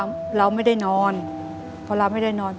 อเรนนี่นี่คือเหตุการณ์เริ่มต้นหลอนช่วงแรกแล้วมีอะไรอีก